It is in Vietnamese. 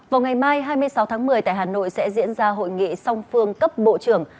vào ngày mai hai mươi sáu tháng một mươi tại hà nội sẽ diễn ra hội nghị song phương cấp bộ trưởng